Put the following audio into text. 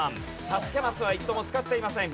助けマスは一度も使っていません。